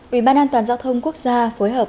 ủy ban an toàn giao thông quốc gia phối hợp